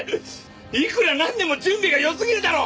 いくらなんでも準備が良すぎるだろう！？